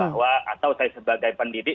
pada saat saya sebagai pendidik